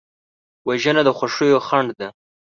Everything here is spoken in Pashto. وژنه د خوښیو خنډ ده